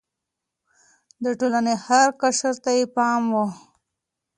د ټولنې هر قشر ته يې پام و.